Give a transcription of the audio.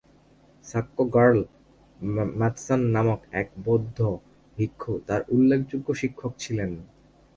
শাক্য র্গ্যাল-ম্ত্শান নামক এক বৌদ্ধ ভিক্ষু তার উল্লেখযোগ্য শিক্ষক ছিলেন।